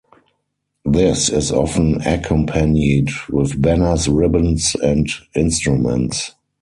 This is often accompanied with banners, ribbons and, instruments.